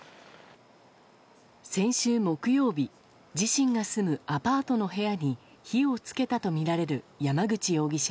先週木曜日自身が住むアパートの部屋に火をつけたとみられる山口容疑者。